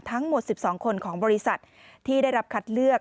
ทั้งหมด๑๒คนของบริษัทที่ได้รับคัดเลือก